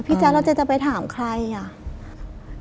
พี่แจ๊คเราจะไปถามใคร่อ่ะ